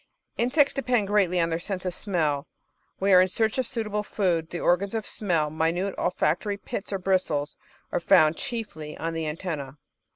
Insects depend greatly on their sense of smell whei in search of suitable food, and the organs of smell, minute olfac tory pits or bristles, are found chiefly on the antennae.